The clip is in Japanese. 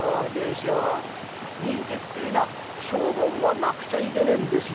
身請けってえのは証文がなくちゃいけねえんですよ。